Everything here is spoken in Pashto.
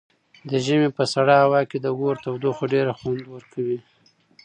د ژمي په سړه هوا کې د اور تودوخه ډېره خوند ورکوي.